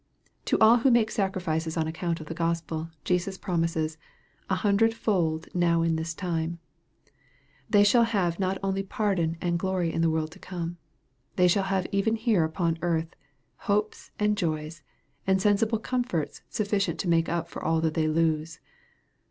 To all who make sacrifices on account of the Gospel, Jesus promises " an hundred fold now in this time/' They shall have not only pardon and glory in the world to come. They shall have even here upon earth, hopes, and joys, and sensible comforts sufficient to make up for all that they lose.